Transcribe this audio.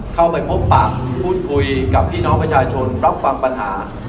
เข้าไปพบปะพูดคุยกับพี่น้องประชาชนรับฟังปัญหา